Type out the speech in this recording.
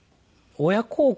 親孝行。